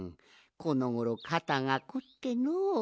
このごろかたがこってのう。